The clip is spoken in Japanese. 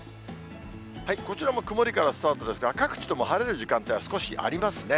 こちらも曇りからスタートですが、各地とも晴れる時間帯は少しありますね。